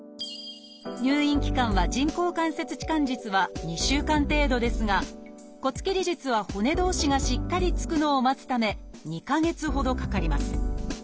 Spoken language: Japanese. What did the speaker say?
入院期間は人工関節置換術は２週間程度ですが骨切り術は骨同士がしっかりつくのを待つため２か月ほどかかります。